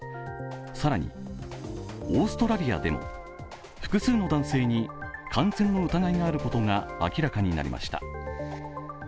更にオーストラリアでも、複数の男性に感染の疑いがあることが明らかになりました。